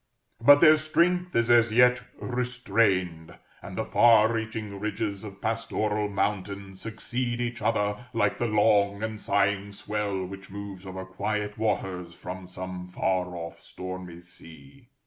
But their strength is as yet restrained; and the far reaching ridges of pastoral mountain succeed each other, like the long and sighing swell which moves over quiet waters from some far off stormy sea.